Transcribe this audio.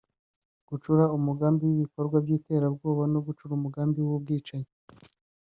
gucura umugambi w’ibikorwa by’iterabwoba no gucura umugambi w’ubwicanyi